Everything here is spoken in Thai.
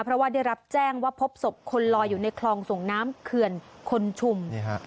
เพราะว่าได้รับแจ้งว่าพบศพคนลอยอยู่ในคลองส่งน้ำเขื่อนคนชุม